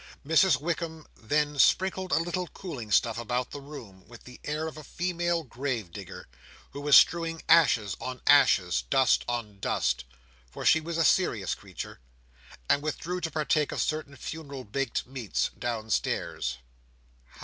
Mrs Wickam then sprinkled a little cooling stuff about the room, with the air of a female grave digger, who was strewing ashes on ashes, dust on dust—for she was a serious character—and withdrew to partake of certain funeral baked meats downstairs.